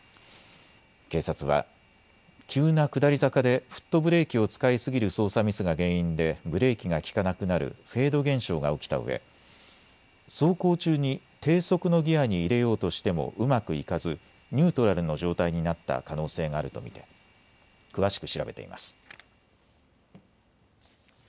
警察は急な下り坂でフットブレーキを使いすぎる操作ミスが原因でブレーキが利かなくなるフェード現象が起きたうえ走行中に低速のギアに入れようとしてもうまくいかずニュートラルの状態になった可能性があると見て詳しく調べています。